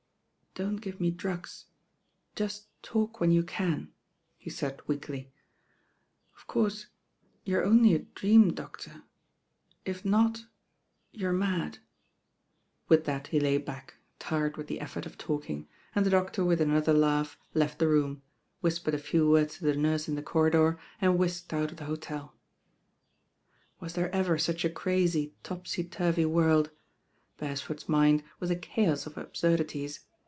"Don't give me drugs, just talk when you can," he said weakly. "Of course you're only a dream doctor. If not you're mad." With that he lay bade, tired with the effort of talking, and the doctor with another laugh left the room, whispered a few words to the nurse in the corridor, and whisked out of flie hotel. Was there ever such a crazy, topsy turvy world? Beresford s mind was a chaos of absurdities.